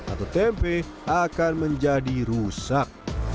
atau tempe akan menjadi rusak